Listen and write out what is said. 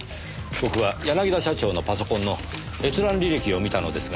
僕は柳田社長のパソコンの閲覧履歴を見たのですが。